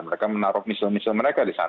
mereka menaruh misil misil mereka di sana